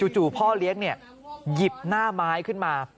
จู่พ่อเลี้ยงหยิบหน้าไม้ขึ้นมา